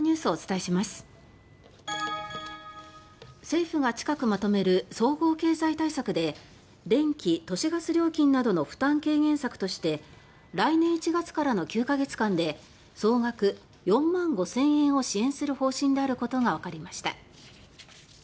政府が近くまとめる総合経済対策で電気、都市ガス料金などの負担軽減策として来年１月からの９か月間で総額４万５０００円を支援する方針であることがわかりました。